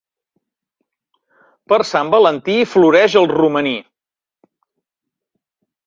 Per Sant Valentí floreix el romaní.